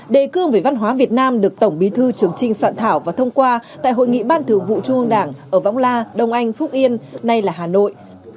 đề cương về văn hóa việt nam được tổng bí thư trường trinh soạn thảo và thông qua tại hội nghị ban thường vụ trung ương đảng ở võng la đông anh phúc yên nay là hà nội